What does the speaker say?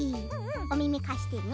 おみみかしてね。